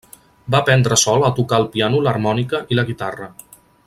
Va aprendre sol a tocar el piano l'harmònica i la guitarra.